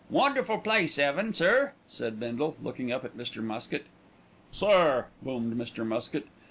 Wonderful place, 'eaven, sir," said Bindle, looking up at Mr. Muskett. "Sir!" boomed Mr. Muskett.